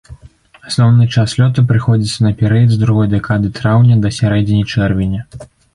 Асноўны час лёту прыходзіцца на перыяд з другой дэкады траўня да сярэдзіны чэрвеня.